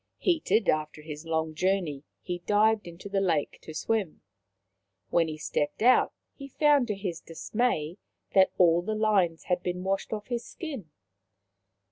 Heated after his long journey, he dived into the lake to swim. When he stepped out he found to his dismay that all the lines had been washed off his skin.